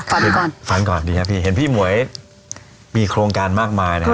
ก่อนฝันก่อนดีครับพี่เห็นพี่หมวยมีโครงการมากมายนะครับ